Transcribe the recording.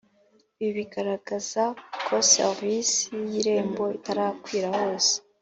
Ibi bigaragaza ko serivisi y irembo itarakwira hose